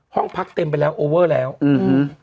ห้องพักเต็มไปแล้วโอเวอร์แล้วอืม